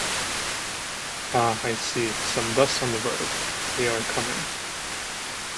Ah, I see, some dust on the road — they are coming!